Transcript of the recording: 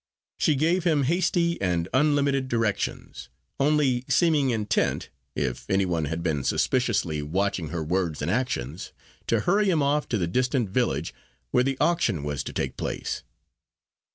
She gave him hasty and unlimited directions, only seeming intent if any one had been suspiciously watching her words and actions to hurry him off to the distant village, where the auction was to take place.